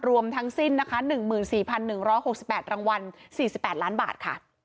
รวมทั้งสิ้นนะคะ๑๔๑๖๘รางวัล๔๘ล้านบาทค่ะ